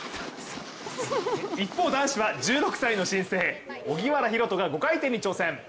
一方、男子は１６歳の新星荻原大翔が５回転に挑戦。